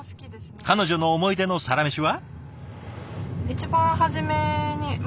彼女のおもいでのサラメシは？